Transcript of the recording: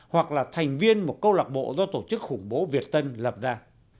hoặc là thành viên một câu lạc bộ do tổ chức khủng bố việt tân lập ra